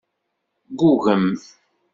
Ggugem.